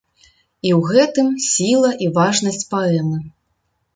І ў гэтым сіла і важнасць паэмы.